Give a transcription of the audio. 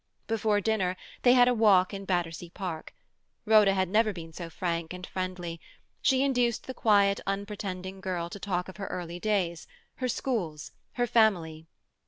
Before dinner they had a walk in Battersea Park. Rhoda had never been so frank and friendly; she induced the quiet, unpretending girl to talk of her early days, her schools, her family.